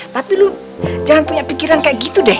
tapi lu jangan punya pikiran kayak gitu deh